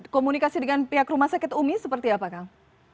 komunikasi dengan pihak rumah sakit umi seperti apa kang